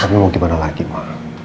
tapi mau di mana lagi ma